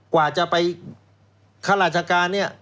กว่าจะไปข้าราชการเนี่ย